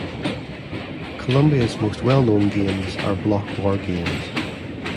Columbia's most well-known games are block wargames.